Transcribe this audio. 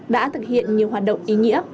đã thực hiện nhiều hoạt động ý nghĩa